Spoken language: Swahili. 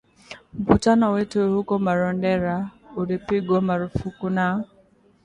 Mkutano wetu huko Marondera ulipigwa marufuku na